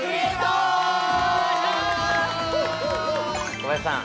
小林さん